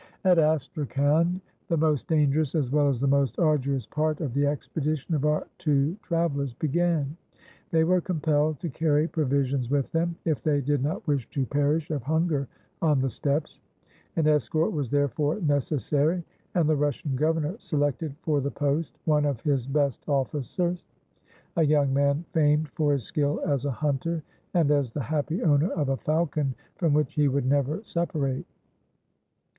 At Astrakhan the most dangerous as well as the most arduous part of the expedition of our two travellers began. They were compelled to carry provisions with them, if they did not wish to perish of hunger on the steppes. An escort was therefore necessary, and the Russian governor selected for the post one of his best officers; a young man famed for his skill as a hunter, and as the happy owner of a falcon from which he would never separate.